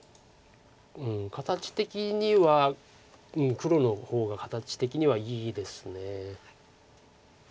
うん形的には黒の方が形的にはいいです。